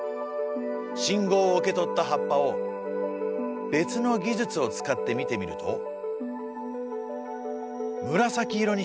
信号を受け取った葉っぱを別の技術を使って見てみると紫色に光ってるでしょ。